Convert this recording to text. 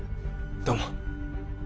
どうも。